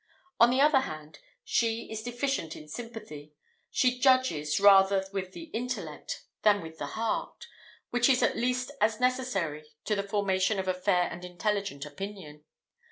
On the other hand, she is deficient in sympathy; she judges rather with the intellect than with the heart, which is at least as necessary to the formation of a fair and intelligent opinion.